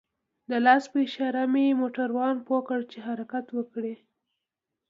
د لاس په اشاره مې موټروان پوه كړ چې حركت وكړي.